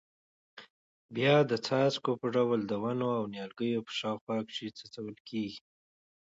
بیا د څاڅکو په ډول د ونو او نیالګیو په شاوخوا کې څڅول کېږي.